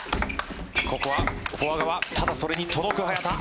ここは、フォア側、ただ、それに届く早田。